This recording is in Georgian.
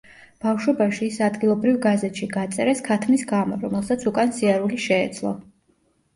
ბავშვობაში ის ადგილობრივ გაზეთში გაწერეს ქათმის გამო, რომელსაც უკან სიარული შეეძლო.